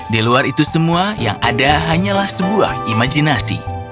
di luar itu semua yang ada hanyalah sebuah imajinasi